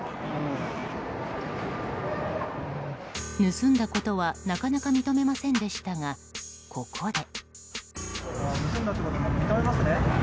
盗んだことはなかなか認めませんでしたがここで。